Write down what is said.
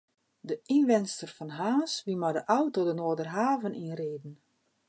De ynwenster fan Harns wie mei de auto de Noarderhaven yn riden.